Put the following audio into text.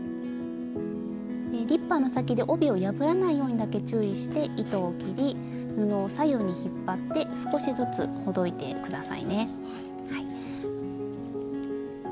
リッパーの先で帯を破らないようにだけ注意して糸を切り布を左右に引っ張って少しずつほどいて下さいね。